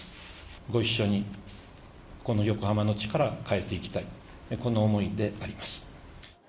ご一緒に、この横浜の地から変えていきたい、この思いであります。